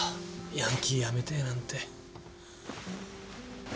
ヤンキーやめてえなんて。